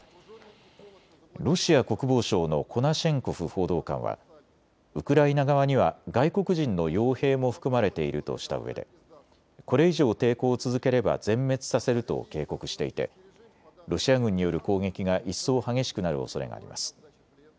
ロシア国防省のコナシェンコフ報道官はウクライナ側には外国人のよう兵も含まれているとしたうえでこれ以上、抵抗を続ければ全滅させると警告していてロシア軍による攻撃が一層激しくなるおそれがあります。